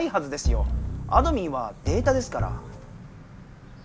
あどミンはデータですから。